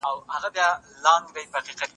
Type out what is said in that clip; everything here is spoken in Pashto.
چي له تجربې ګټه واخلي هوښيار سي